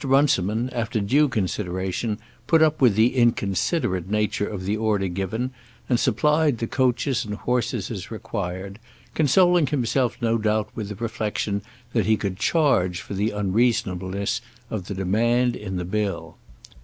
Runciman, after due consideration, put up with the inconsiderate nature of the order given, and supplied the coaches and horses as required, consoling himself no doubt with the reflection that he could charge for the unreasonableness of the demand in the bill.